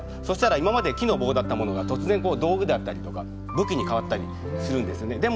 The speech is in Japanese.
そしたら今まで木の棒だったものが突然道具だったりとか武器に変わったりするんですね。